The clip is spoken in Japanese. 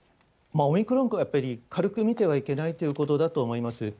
オミクロン株、やっぱり軽く見てはいけないということだと思います。